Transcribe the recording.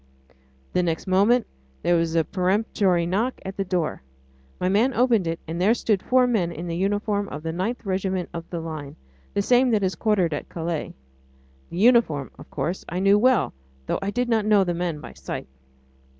The next moment there was a peremptory knock at the door. My man opened it, and there stood four men in the uniform of the 9th Regiment of the Line ... the same that is quartered at Calais. The uniform, of course, I knew well, though I did not know the men by sight.